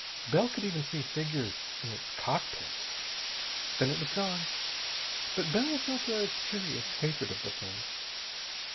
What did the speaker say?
Bell could even see figures in its cockpits. Then it was gone, but Bell felt a curious hatred of the thing.